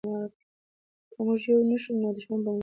که موږ یو نه شو نو دښمن به مو مات کړي.